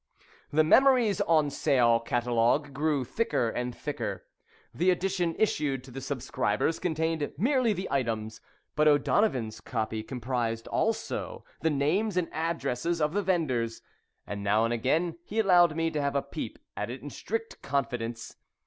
The "Memories on Sale" catalogue grew thicker and thicker. The edition issued to the subscribers contained merely the items, but O'Donovan's copy comprised also the names and addresses of the vendors, and now and again he allowed me to have a peep at it in strict confidence.